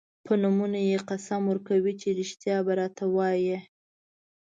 په نومونو یې قسم ورکوي چې رښتیا به راته وايي.